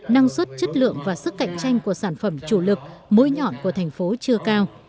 năng suất chất lượng và sức cạnh tranh của sản phẩm chủ lực mối nhọn của thành phố chưa cao